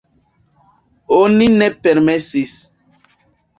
Oni ne permesis.